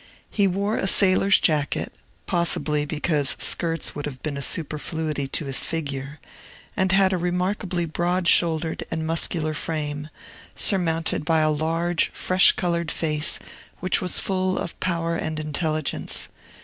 He wore a sailor's jacket (possibly, because skirts would have been a superfluity to his figure), and had a remarkably broad shouldered and muscular frame, surmounted by a large, fresh colored face, which was full of power and intelligence.